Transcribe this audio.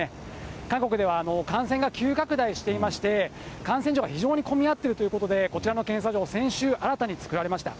韓国では感染が急拡大していまして、検査所が非常に混み合ってるということで、こちらの検査場、先週新たに作られました。